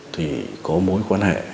thì có mối quan hệ